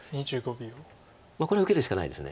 これ受けるしかないです。